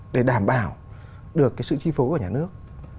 để đảm bảo được cái sự chi phố của nhà nước